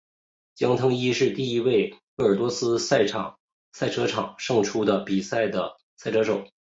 江腾一是第一位在鄂尔多斯赛车场胜出比赛的赛车手。